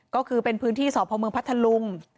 ก็คือเป็นพื้นที่สพเมืองพัทธลุง